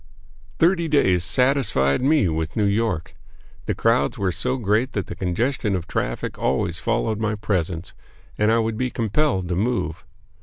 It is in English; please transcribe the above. Thirty days satisfied me with New York. The crowds were so great that congestion of traffic always followed my presence, and I would be compelled to move.